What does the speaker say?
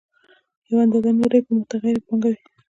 یوه اندازه نوره به یې متغیره پانګه وي